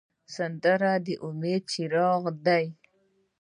سندره د امید څراغ دی